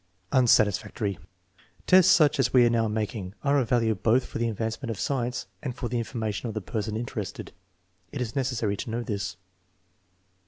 Unsatisfactory. "Tests such as we are now making are of value both for the advancement of science and for the information of the person interested. It is necessary to know this."